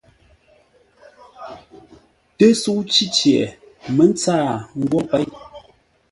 Tə́sə́u Cícye mə̌ ntsaa nghwó péi.